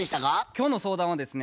今日の相談はですね